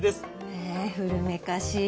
えー古めかしい。